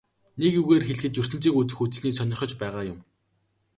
Нэг үгээр хэлэхэд ертөнцийг үзэх үзлий нь сонирхож байгаа юм.